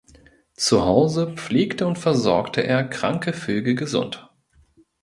Zu Hause pflegte und versorgte er kranke Vögel gesund.